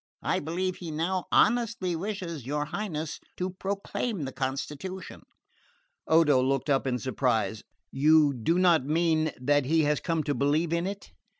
I believe he now honestly wishes your Highness to proclaim the constitution." Odo looked up in surprise. "You do not mean that he has come to believe in it?"